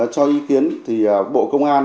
cho ý kiến thì bộ công an